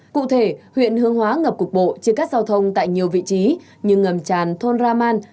cụ thể huyện hương hóa ngập cục bộ chia cắt giao thông tại nhiều vị trí như ngầm tràn thôn raman